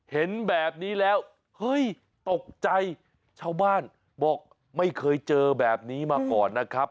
เห็นแบบนี้แล้วเฮ้ยตกใจชาวบ้านบอกไม่เคยเจอแบบนี้มาก่อนนะครับ